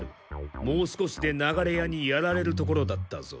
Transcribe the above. もう少しで流れ矢にやられるところだったぞ。